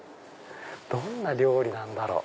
どんな料理なんだろう？